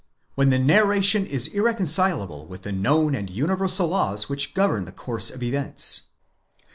When the narration is irreconcilable with the known and universal laws which govern the course of events.